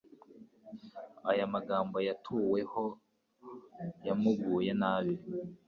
Aya magambo yatuweho yamuguye nabi,